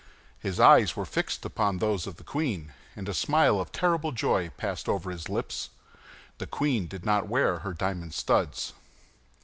His eyes were fixed upon those of the queen, and a smile of terrible joy passed over his lips; the queen did not wear her diamond studs.